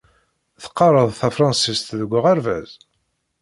Teqqared tafṛensist deg uɣerbaz?